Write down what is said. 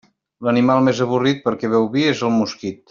L'animal més avorrit, perquè beu vi, és el mosquit.